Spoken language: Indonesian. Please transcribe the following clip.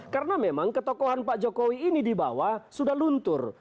karena memang ketokohan pak jokowi ini di bawah sudah luntur